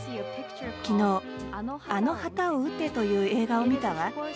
きのう「あの旗を撃て」という映画を見たわ。